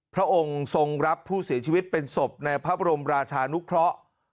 พระองค์ทรงรับผู้เสียชีวิตเป็นศพในพระบรมราชานุเคราะห์